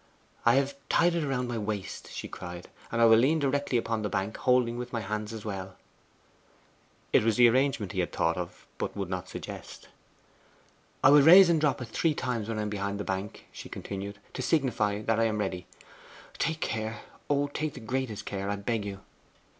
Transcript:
'I have tied it round my waist,' she cried, 'and I will lean directly upon the bank, holding with my hands as well.' It was the arrangement he had thought of, but would not suggest. 'I will raise and drop it three times when I am behind the bank,' she continued, 'to signify that I am ready. Take care, oh, take the greatest care, I beg you!